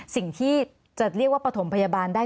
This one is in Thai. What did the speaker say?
สิ่งที่จะเรียกว่าปฐมพยาบาลได้